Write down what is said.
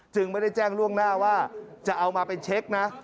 ไม่ได้แจ้งล่วงหน้าว่าจะเอามาไปเช็คนะ